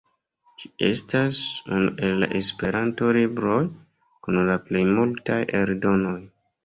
Ĝi estas unu el la Esperanto-libroj kun la plej multaj eldonoj.